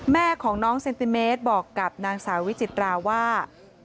แม่ของน้องเซนติเมตรบอกกับนางสาววิจิตราว่า